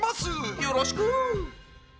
よろしく！